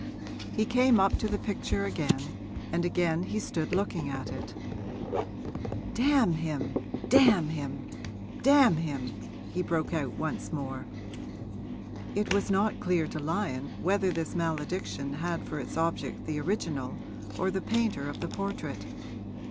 He came up to the picture again, and again he stood looking at it. 'Damn him damn him damn him!' he broke out once more. It was not clear to Lyon whether this malediction had for its object the original or the painter of the portrait.